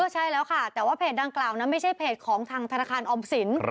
ใช่แล้วค่ะแต่ว่าเพจดังกล่าวนั้นไม่ใช่เพจของทางธนาคารออมสิน